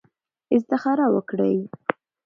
استخاره وکړئ.